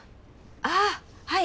ああはい。